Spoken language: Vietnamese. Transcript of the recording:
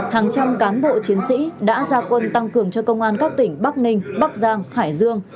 hàng trăm cán bộ chiến sĩ đã gia quân tăng cường cho công an các tỉnh bắc ninh bắc giang hải dương